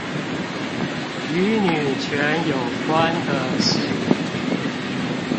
與女權有關的事